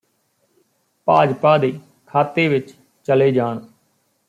ਭਾਜਪਾ ਦੇ ਖਾਤੇ ਵਿਚ ਚਲੇ ਜਾਣ